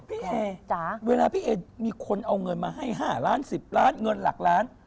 พี่เอจเวลาพี่เอมีคนเอาเงินมาให้๕ล้าน๑๐ล้านเงินหลักล้าน